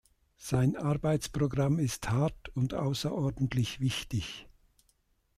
Sein Arbeitsprogramm ist hart und außerordentlich wichtig.